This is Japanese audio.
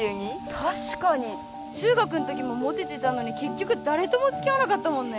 確かに中学んときもモテてたのに結局誰とも付き合わなかったもんね